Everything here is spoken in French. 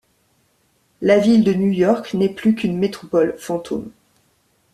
La ville de New York n'est plus qu'une métropole fantôme.